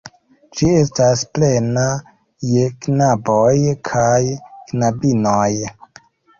Ĝi estas plena je knaboj kaj knabinoj.